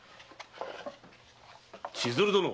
千鶴殿。